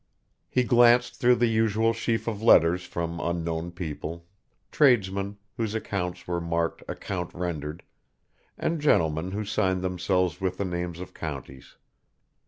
He glanced through the usual sheaf of letters from unknown people, tradesmen, whose accounts were marked "account rendered" and gentlemen who signed themselves with the names of counties.